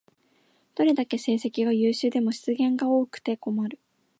どれだけ成績が優秀でも失言が多くて困る